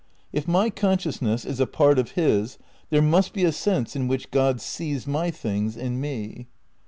If my consciousness is a part of his there must be a sense in which Grod sees my things in me.